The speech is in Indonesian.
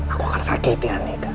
aku akan sakitin andika